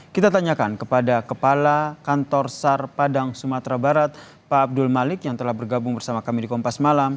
kita tanyakan kepada kepala kantor sar padang sumatera barat pak abdul malik yang telah bergabung bersama kami di kompas malam